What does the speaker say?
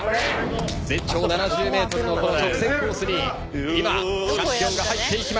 全長７０ｍのこの直線コースに今チャンピオンが入っていきます。